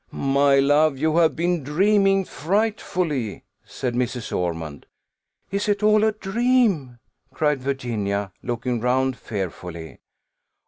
"My love, you have been dreaming frightfully," said Mrs. Ormond. "Is it all a dream?" cried Virginia, looking round fearfully.